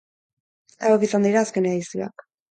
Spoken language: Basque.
Hauek izan dira azken edizioak.